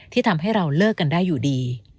ทำให้เราเลิกกันได้อยู่ดี